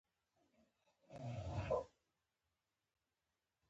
وروسته باید د رولر په واسطه کمپکشن شي